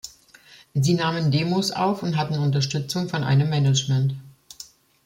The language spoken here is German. Sie nahmen Demos auf und hatten Unterstützung von einem Management.